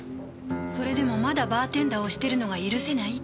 それでもまだバーテンダーをしてるのが許せないって。